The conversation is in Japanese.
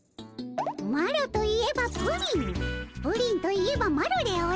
マロといえばプリンプリンといえばマロでおじゃる。